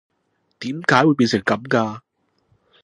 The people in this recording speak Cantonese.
點解會變成噉㗎？